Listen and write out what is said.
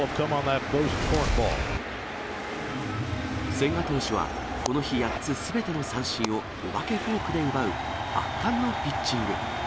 千賀投手はこの日８つすべての三振をお化けフォークで奪う圧巻のピッチング。